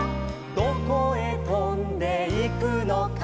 「どこへとんでいくのか」